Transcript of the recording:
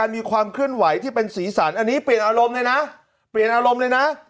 มาอันนี้เปลี่ยนอารมณ์เลยนะ